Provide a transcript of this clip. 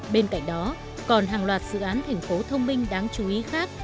bên cạnh đó còn hàng loạt dự án thành phố thông minh đáng chú ý khác